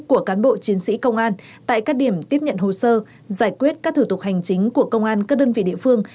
của cán bộ chiến sĩ công an tại các điểm tiếp nhận hồ sơ giải quyết các thủ tục hành chính của công an các đơn vị địa phương